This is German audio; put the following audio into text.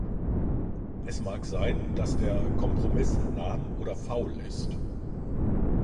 Es mag sein, dass der Kompromiss lahm oder faul ist.